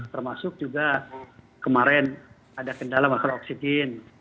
termasuk juga kemarin ada kendala masalah oksigen